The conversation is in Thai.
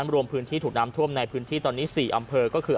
รวมพื้นที่ถูกน้ำท่วมในพื้นที่ตอนนี้๔อำเภอก็คือ